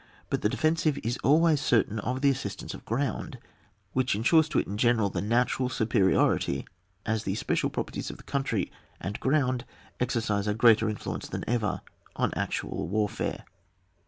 But the defensive is always certain of the assistance of ground, which insures to it in general its natural superiority, as the special properties of country and ground exercise a greater inff uenoe than ever on actual warfare.